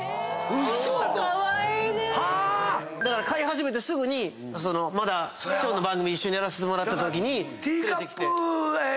嘘⁉だから飼い始めてすぐにまだ師匠の番組一緒にやらせてもらってたときに連れてきて。